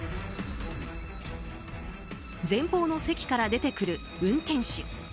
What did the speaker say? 前方の席から出てくる運転手。